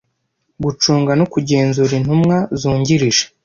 gucunga no kugenzura intumwa zungirije